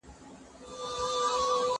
زه به اوږده موده کتابونه وړلي وم!